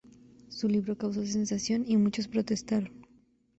Su libro causó sensación y muchos protestaron.